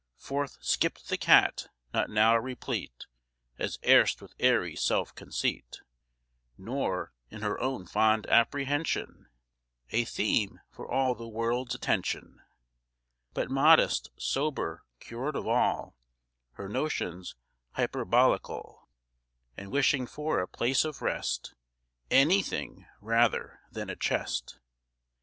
Forth skipp'd the cat, not now replete As erst with airy self conceit, Nor in her own fond apprehension A theme for all the world's attention, But modest, sober, cured of all Her notions hyperbolical, And wishing for a place of rest Any thing rather than a chest.